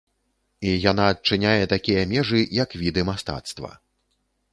І яна адчыняе такія межы, як віды мастацтва.